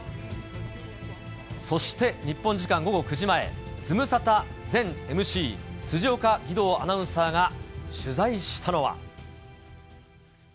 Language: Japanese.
そして日本時間午後９時前、ズムサタ前ＭＣ、辻岡義堂アナウンサーが取材したのは。